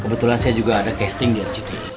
kebetulan saya juga ada casting di rgt